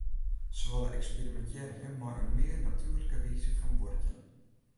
Se wolle eksperimintearje mei in mear natuerlike wize fan buorkjen.